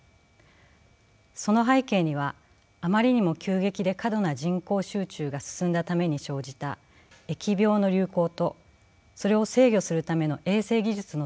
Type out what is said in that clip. その背景にはあまりにも急激で過度な人口集中が進んだために生じた疫病の流行とそれを制御するための衛生技術の導入がありました。